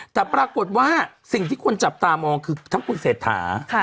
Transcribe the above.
แต่ปรากฏว่าสิ่งที่คนจับตามองคือทั้งคุณเศรษฐา